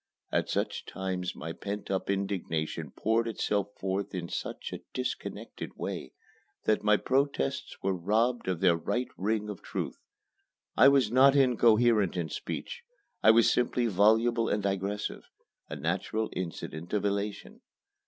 At such times my pent up indignation poured itself forth in such a disconnected way that my protests were robbed of their right ring of truth. I was not incoherent in speech. I was simply voluble and digressive a natural incident of elation.